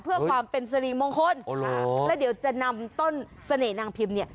เพื่อความเป็นสริมงคลแล้วเดี๋ยวจะนำต้นเสน่หนางพิมพ์เนี่ย